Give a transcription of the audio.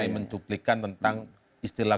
mencuplikan tentang istilah